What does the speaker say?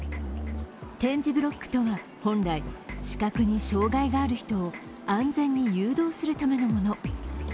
点字ブロックとは、本来視覚に障害がある人を安全に誘導するためのもの。